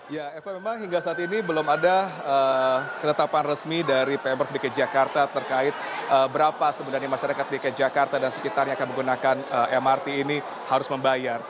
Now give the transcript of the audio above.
ya eva memang hingga saat ini belum ada ketetapan resmi dari pemprov dki jakarta terkait berapa sebenarnya masyarakat dki jakarta dan sekitarnya akan menggunakan mrt ini harus membayar